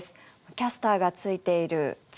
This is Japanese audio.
キャスターがついている机